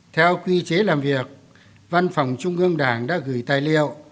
theo quy chế làm việc văn phòng trung ương đảng đã gửi tài liệu